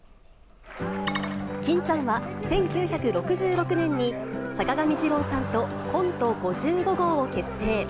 欽ちゃんは１９６６年に坂上二郎さんとコント５５号を結成。